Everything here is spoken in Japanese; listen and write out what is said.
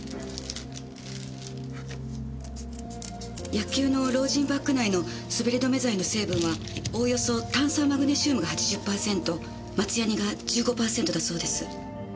野球のロージンバッグ内の滑り止め剤の成分はおおよそ炭酸マグネシウムが８０パーセント松ヤニが１５パーセントだそうです。